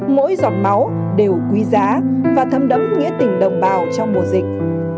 mỗi giọt máu đều quý giá và thâm đấm nghĩa tình đồng bào trong mùa dịch